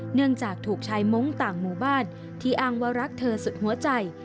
เนื่องจากถูกชายมงค์ต่างหมู่บ้านที่อ้างว่ารักเธอสุดหัวใจ